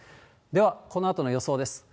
では、このあとの予想です。